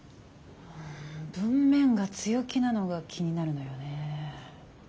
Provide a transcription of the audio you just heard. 文面が強気なのが気になるのよね。